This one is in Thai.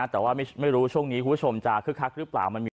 แต่ว่าไม่รู้ช่วงนี้คุณผู้ชมจะคึกคักหรือเปล่า